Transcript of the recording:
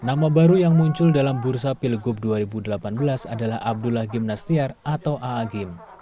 nama baru yang muncul dalam bursa pilgub dua ribu delapan belas adalah abdullah gimnastiar atau ⁇ aagim ⁇